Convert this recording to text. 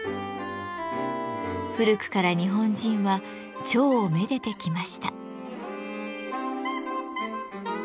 古くから日本人は蝶を愛でてきました。